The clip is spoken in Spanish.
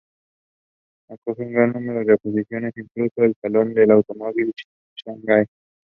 Acoge un gran número de exposiciones, incluido el Salón del Automóvil de Shanghái.